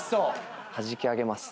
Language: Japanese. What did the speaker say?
はじき上げます。